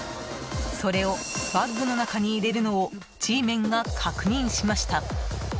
それをバッグの中に入れるのをＧメンが確認しました。